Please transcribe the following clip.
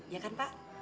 ya kan pak